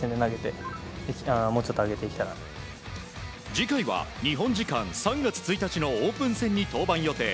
次回は日本時間３月１日のオープン戦に登板予定。